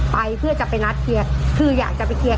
มีอะไรถ้ามีอะไรก็ให้นัดทีละคน